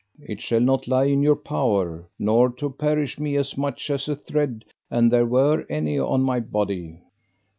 It shall not lie in your power nor to perish me as much as a thread, an there were any on my body.